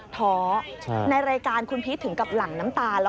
ท้อในรายการคุณพีชถึงก็กลับหลั่งน้ำตา